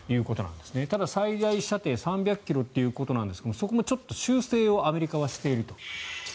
ただ、最大射程３００ｋｍということですがアメリカはそこもちょっと修正をしていると。